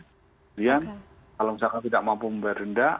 kemudian kalau misalkan tidak mampu membayar denda